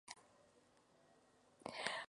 Costa del Este